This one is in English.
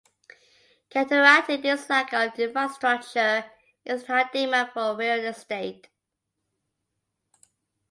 Counteracting this lack of infrastructure is the high demand for real estate.